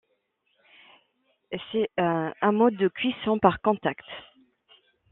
C'est un mode de cuisson par contact.